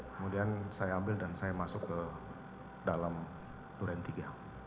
kemudian saya ambil dan saya masuk ke dalam duren tiga